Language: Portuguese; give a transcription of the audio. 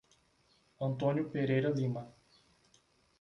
Antônio Pereira Lima